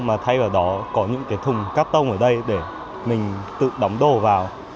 mà thay vào đó có những thùng các tông ở đây để mình tự đóng đồ vào